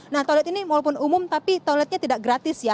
nah toilet ini walaupun umum tapi toiletnya tidak gratis ya